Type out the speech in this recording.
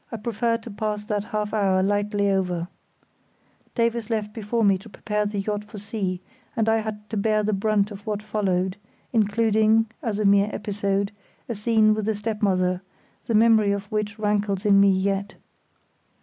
I prefer to pass that half hour lightly over. Davies left before me to prepare the yacht for sea, and I had to bear the brunt of what followed, including (as a mere episode) a scene with the step mother, the memory of which rankles in me yet.